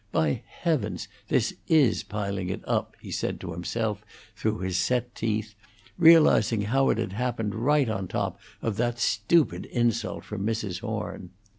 "By heavens! this is piling it up," he said to himself through his set teeth, realizing how it had happened right on top of that stupid insult from Mrs. Horn.